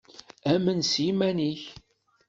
Amen s yiman-nnek.